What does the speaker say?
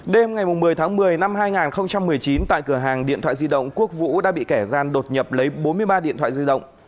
đêm ngày một mươi tháng một mươi năm hai nghìn một mươi chín tại cửa hàng điện thoại di động quốc vũ đã bị kẻ gian đột nhập lấy bốn mươi ba điện thoại di động